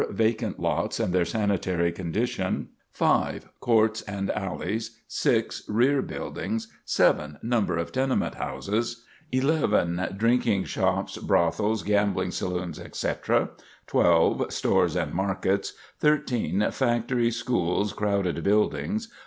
Vacant lots and their sanitary condition. 5. Courts and alleys. 6. Rear buildings. 7. Number of tenement houses. 11. Drinking shops, brothels, gambling saloons, etc. 12. Stores and markets. 13. Factories, schools, crowded buildings.